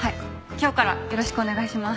今日からよろしくお願いします。